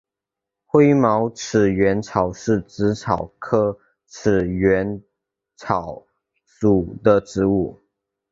灰毛齿缘草是紫草科齿缘草属的植物。